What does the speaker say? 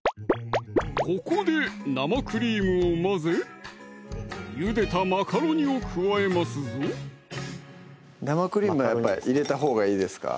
ここで生クリームを混ぜゆでたマカロニを加えますぞ生クリームはやっぱり入れたほうがいいですか？